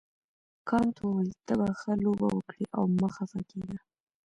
کانت وویل ته به ښه لوبه وکړې او مه خفه کیږه.